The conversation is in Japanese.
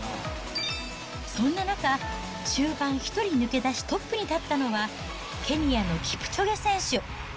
そんな中、終盤１人抜け出し、トップに立ったのは、ケニアのキプチョゲ選手。